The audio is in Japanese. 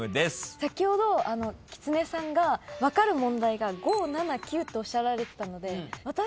先ほどきつねさんが分かる問題が５７９とおっしゃられてたので。